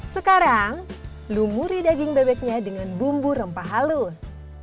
sekarang lumuri daging bebeknya dengan bumbu rempah halus